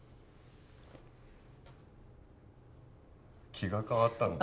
気が変わったんです